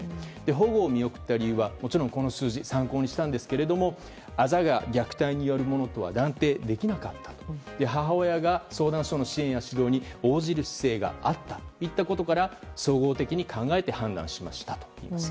保護を見送った理由はもちろん、この数字を参考にしたんですけどもあざが虐待によるものとは断定できなかった母親が相談所の支援や指導に応じる姿勢があったということから総合的に考えて判断したといいます。